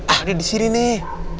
ada di sini nih